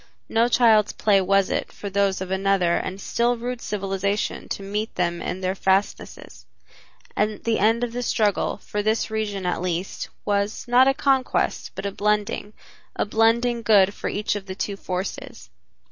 No child's play was it for those of another and still rude civilization to meet them in their fastnesses, and the end of the struggle for this region at least was, not a conquest, but a blending, a blending good for each of the two forces.